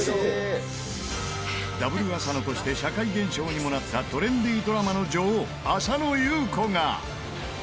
Ｗ浅野として社会現象にもなったトレンディードラマの女王浅野ゆう子が。